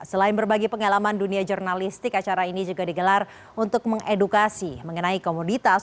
selain berbagi pengalaman dunia jurnalistik acara ini juga digelar untuk mengedukasi mengenai komoditas